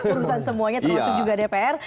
urusan semuanya termasuk juga dpr